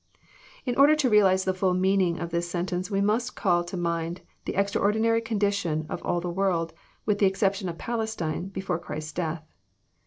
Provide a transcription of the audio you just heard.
In order to realize the fhll meaning of this sentence, we must call to mind the extraordinary condition of all the world, with the exception of Palestine, before Christ's death.